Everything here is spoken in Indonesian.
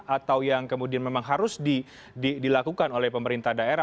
atau yang kemudian memang harus dilakukan oleh pemerintah daerah